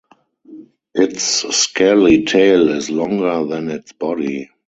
Its scaly tail is longer than its body.